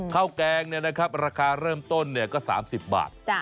ข้าวแกงเนี่ยนะครับราคาเริ่มต้นเนี่ยก็๓๐บาท